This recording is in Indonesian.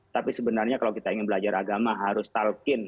tapi sebenarnya kalau kita ingin belajar agama harus talkin